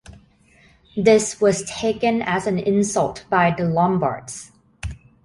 This was taken as an insult by the Lombards.